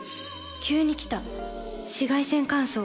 急に来た紫外線乾燥。